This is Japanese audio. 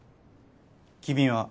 君は？